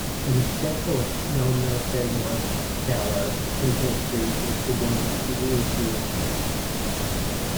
An example of nonmilitary watchtower in history is the one of Jerusalem.